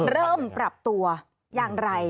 เริ่มปรับตัวอย่างไร